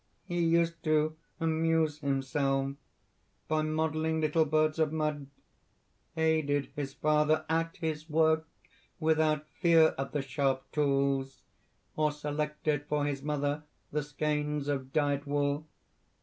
He used to amuse himself by modelling little birds of mud; aided his father at his work without fear of the sharp tools, or selected for his mother the skeins of dyed wool.